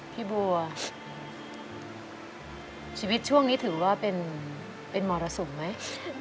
พี่บัวชีวิตช่วงนี้ถือว่าเป็นมรสุมไหม